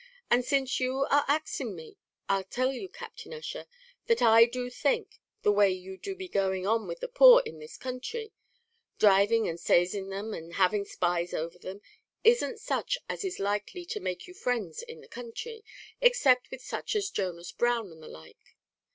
And since you are axing me, I'll tell you, Captain Ussher, that I do think the way you do be going on with the poor in the counthry dhriving and sazing them, and having spies over them isn't such as is likely to make you frinds in the counthry, except with such as Jonas Brown and the like.